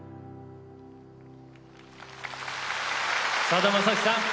さだまさしさん